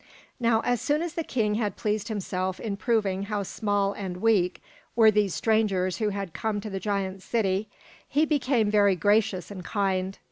Now as soon as the king had pleased himself in proving how small and weak were these strangers who had come to the giant city, he became very gracious and kind.